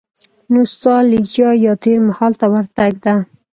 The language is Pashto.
نو ستالجیا یا تېر مهال ته ورتګ ده.